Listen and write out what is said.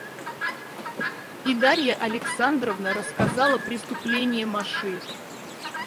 И Дарья Александровна рассказала преступление Маши.